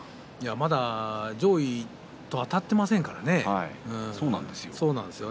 まだ上位とあたっていませんからね。